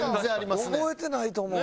覚えてないと思うな。